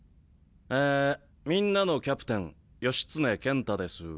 えみんなのキャプテン義経健太です。